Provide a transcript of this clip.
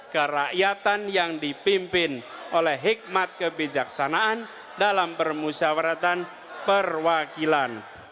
kerakyatan yang dipimpin oleh hikmat kebijaksanaan dalam permusyawaratan perwakilan